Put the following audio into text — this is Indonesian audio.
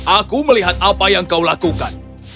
aku melihat apa yang kau lakukan